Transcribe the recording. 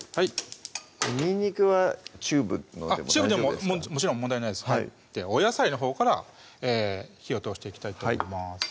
にんにくはチューブのでもチューブでももちろん問題ないですではお野菜のほうから火を通していきたいと思います